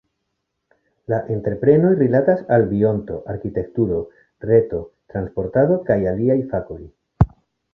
La entreprenoj rilatas al bionto, arkitekturo, reto, transportado kaj aliaj fakoj.